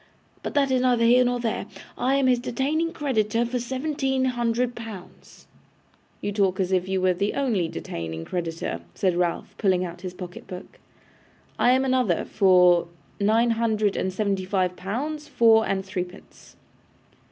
But that is neither here nor there. I am his detaining creditor for seventeen hundred pounds!' 'You talk as if you were the only detaining creditor,' said Ralph, pulling out his pocket book. 'I am another for nine hundred and seventy five pounds four and threepence.